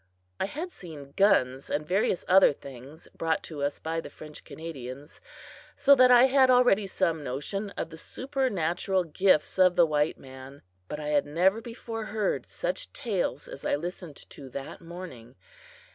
I had seen guns and various other things brought to us by the French Canadians, so that I had already some notion of the supernatural gifts of the white man; but I had never before heard such tales as I listened to that morning.